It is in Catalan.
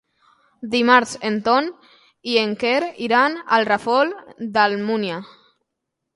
Dimarts en Ton i en Quer iran al Ràfol d'Almúnia.